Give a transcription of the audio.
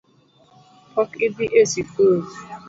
Pok idhi e sikul